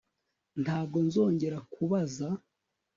Ntabwo nzongera kubaza